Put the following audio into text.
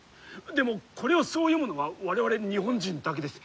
でもこれをそう読むのは我々日本人だけです。